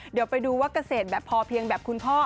เดี๋ยวไปดูว่าเกษตรแบบพอเพียงแบบคุณพ่อ